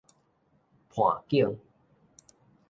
伴景